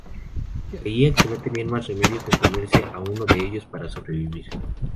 Creían que no tenían más remedio que comerse a uno de ellos para sobrevivir.